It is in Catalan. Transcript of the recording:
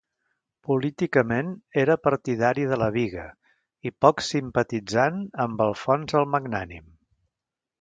Políticament era partidari de la Biga i poc simpatitzant amb Alfons el Magnànim.